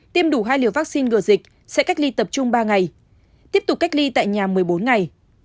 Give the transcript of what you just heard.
tiêm đủ hai liều vaccine ngừa dịch sẽ cách ly tập trung ba ngày tiếp tục cách ly tại nhà một mươi bốn ngày